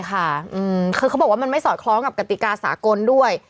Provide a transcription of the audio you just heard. ใช่ค่ะเขาบอกว่ามันมันไม่สอดคล้องกับกติกาศาคนด้วย